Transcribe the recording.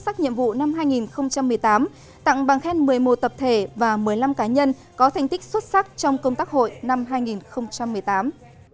hội nghị đạt được xuất sắc nhiệm vụ năm hai nghìn một mươi tám tặng bằng khen một mươi một tập thể và một mươi năm cá nhân có thành tích xuất sắc trong công tác hội năm hai nghìn một mươi tám